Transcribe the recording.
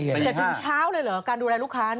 แต่ถึงเช้าเลยเหรอการดูแลลูกค้า